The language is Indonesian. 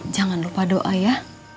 jangan lupa doa ya